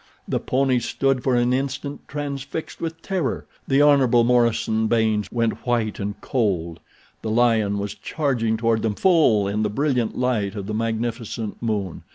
The ponies stood for an instant transfixed with terror. The Hon. Morison Baynes went white and cold. The lion was charging toward them full in the brilliant light of the magnificent moon.